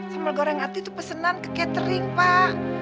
sambal goreng hati itu pesenan ke catering pak